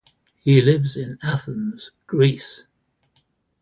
He lives in Athens, Greece.